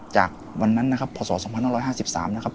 จากวันนั้นนะครับพศ๒๕๕๓นะครับ